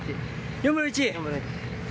４分の１？